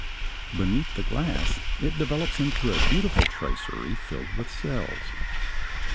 Beneath the glass it develops into a beautiful tracery filled with cells.